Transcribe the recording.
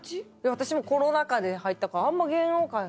私もコロナ禍で入ったからあんまり芸能界の。